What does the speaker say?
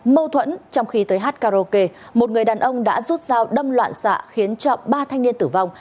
mâu thuẫn trong khi tới hát karaoke một người đàn ông đã rút dao đâm loạn xạ khiến cho ba thanh niên tử vong